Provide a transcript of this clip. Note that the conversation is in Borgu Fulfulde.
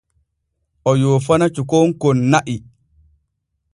O yoofana cukahon kon na’i.